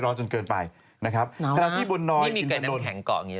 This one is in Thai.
น้าวนะนี่มีไก่น้ำแข็งเกาะอย่างนี้เลยนะ